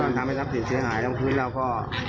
ก็ทำให้ทัพสินเสียหายลงพื้นแล้วก็